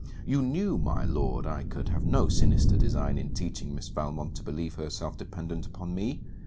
You knew, my Lord, I could have no sinister design in teaching Miss Valmont to believe herself dependent upon me.